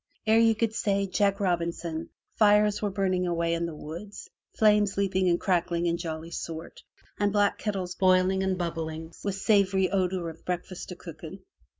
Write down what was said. Ere you could say "Jack Robinson/' fires were burning away in the wood, flames leaping and crackling in jolly sort, and black kettles boiling and bubbling with savory odor of breakfast a cooking.